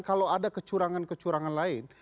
kalau ada kecurangan kecurangan lain